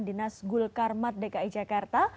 dinas gul karmat dki jakarta